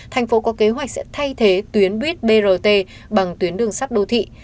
thành phố có kế hoạch sẽ thay thế tuyến buýt brt bằng tuyến đường sắt đô thị